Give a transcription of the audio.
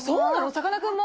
さかなクンも？